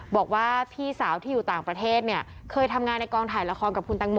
บอกว่าพี่สาวที่อยู่ต่างประเทศเนี่ยเคยทำงานในกองถ่ายละครกับคุณตังโม